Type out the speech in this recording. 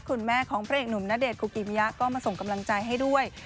คุณแม่ของพระเอกหนุ่มณเดชนคุกิมิยะก็มาส่งกำลังใจให้ด้วย